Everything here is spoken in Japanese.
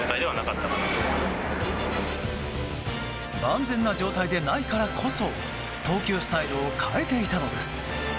万全な状態でないからこそ投球スタイルを変えていたのです。